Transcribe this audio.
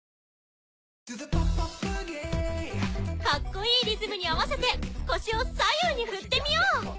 かっこいいリズムに合わせて腰を左右に振ってみよう。